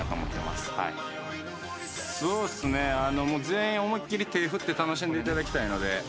全員思い切り手振って楽しんでいただきたい。